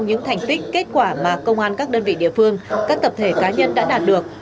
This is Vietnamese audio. những thành tích kết quả mà công an các đơn vị địa phương các tập thể cá nhân đã đạt được